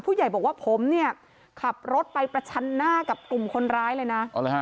ผู้ใหญ่บอกว่าผมเนี่ยขับรถไปประชันหน้ากับกลุ่มคนร้ายเลยนะ